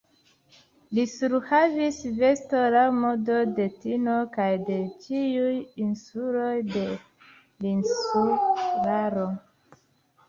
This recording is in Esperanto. Li surhavis veston laŭ modo de Tino kaj de ĉiuj insuloj de l' Insularo.